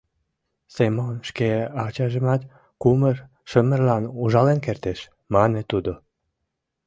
Семон шке ачажымат кумыр-шымырлан ужален кертеш», — мане Тудо.